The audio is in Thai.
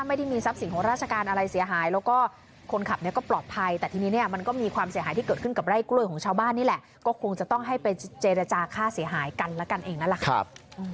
ไม่ได้มีทรัพย์สินของราชการอะไรเสียหายแล้วก็คนขับเนี่ยก็ปลอดภัยแต่ทีนี้เนี่ยมันก็มีความเสียหายที่เกิดขึ้นกับไร่กล้วยของชาวบ้านนี่แหละก็คงจะต้องให้ไปเจรจาค่าเสียหายกันแล้วกันเองนั่นแหละครับ